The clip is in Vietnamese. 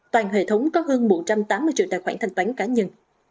toàn hệ thống có hơn một trăm tám mươi triệu tài khoản thanh toán cá nhân